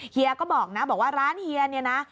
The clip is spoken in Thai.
เฮียก็บอกนะบอกว่าร้านเฮียเนี่ยนะ